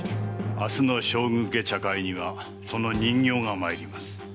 明日の将軍家茶会にはその人形が参ります。